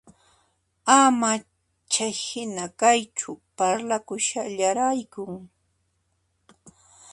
Ama chayhinaqa kaychu, parlakushallaraykun